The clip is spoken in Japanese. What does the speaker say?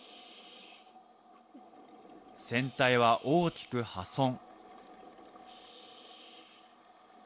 船体は大きく破損。